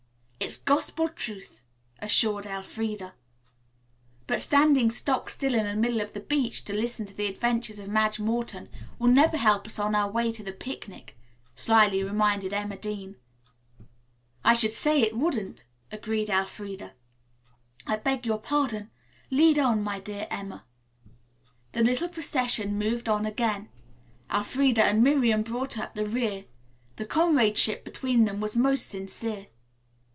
"It's gospel truth," assured Elfreda. "But standing stock still in the middle of the beach to listen to the adventures of Madge Morton will never help us on our way to the picnic," slyly reminded Emma Dean. "I should say it wouldn't," agreed Elfreda. "I beg your pardon. Lead on, my dear Emma." The little procession moved on again. Elfreda and Miriam brought up the rear. The comradeship between them was most sincere.